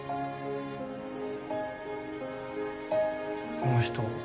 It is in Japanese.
この人